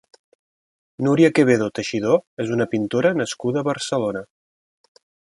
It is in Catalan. Núria Quevedo Teixidó és una pintora nascuda a Barcelona.